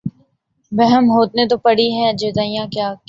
بہم ہوئے تو پڑی ہیں جدائیاں کیا کیا